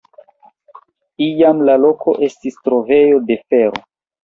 Iam la loko estis trovejo de fero.